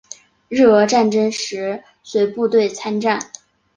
日俄战争时随部队参战。